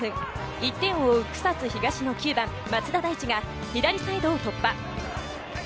１点を追う草津東の９番・松田大知が左サイドを突破。